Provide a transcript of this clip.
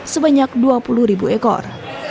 sebanyak dua puluh ribu ekor